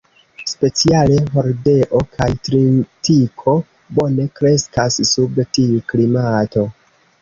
Speciale hordeo kaj tritiko bone kreskas sub tiu klimato.